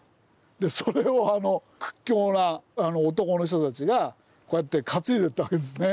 それを屈強な男の人たちがこうやって担いでいったわけですね。